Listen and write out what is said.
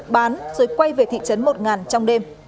bán rồi quay về thị trấn một ngàn trong đêm